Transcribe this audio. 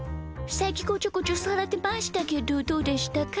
さっきこちょこちょされてましたけどどうでしたか？